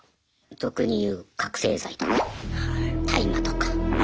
俗に言う覚醒剤とか大麻とか。